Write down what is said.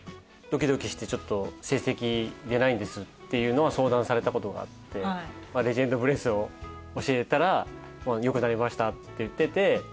ドキドキしてちょっと成績出ないんですっていうのは相談されたことがあってレジェンド・ブレスを教えたらよくなりましたって言ってて。